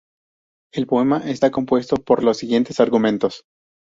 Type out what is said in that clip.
El poema está compuesto por los siguientes argumentos.